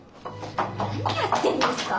何やってんですか？